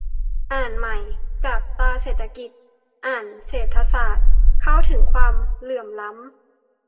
อ่านใหม่ : จับตาเศรษฐกิจ - อ่านเศรษฐศาสตร์ - เข้าถึงความเหลื่อมล้ำ